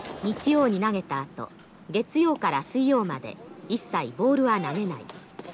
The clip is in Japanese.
日曜に投げたあと月曜から水曜まで一切ボールは投げない。